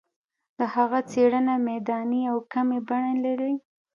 د هغه څېړنه میداني او کمي بڼه لري.